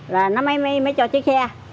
rồi nó mới cho chiếc xe